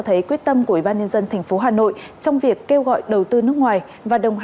thấy quyết tâm của ủy ban nhân dân tp hà nội trong việc kêu gọi đầu tư nước ngoài và đồng